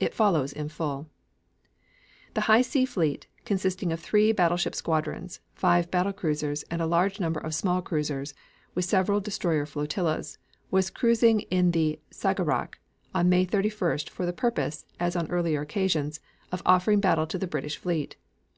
It follows in full: The High Sea Fleet, consisting of three battleship squadrons, five battle cruisers, and a large number of small cruisers, with several destroyer flotillas, was cruising in the Skagerrak on May 31 for the purpose, as on earlier occasions, of offering battle to the British fleet.